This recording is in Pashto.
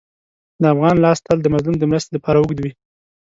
د افغان لاس تل د مظلوم د مرستې لپاره اوږد وي.